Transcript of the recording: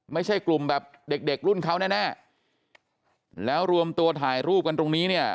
ไม่ใช่กลุ่มแบบเด็กเด็กรุ่นเขาแน่แล้วรวมตัวถ่ายรูปกันตรงนี้เนี่ย